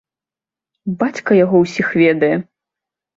Бацька яго ўсіх ведае.